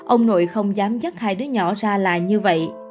ông nội không dám dắt hai đứa nhỏ ra là như vậy